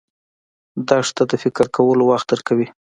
دښته د فکر کولو وخت درکوي.